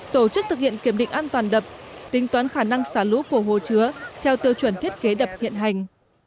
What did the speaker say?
tổ chức thực hiện kiểm định an toàn đập tính toán khả năng xả lũ của hồ chứa theo tiêu chuẩn thiết kế đập hiện hành